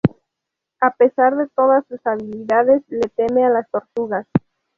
A pesar de todas sus habilidades, le teme a las tortugas.